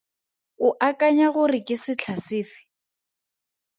O akanya gore ke setlha sefe?